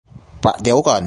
ประเดี๋ยวก่อน